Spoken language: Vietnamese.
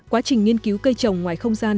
quá trình nghiên cứu cây trồng ngoài không gian